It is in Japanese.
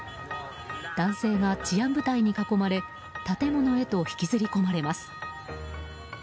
男性が治安部隊に囲まれ建物へと引きずり込まれます。